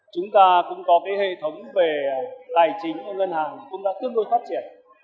chúng ta cũng có cái hệ thống về tài chính ngân hàng cũng đã tương đối phát triển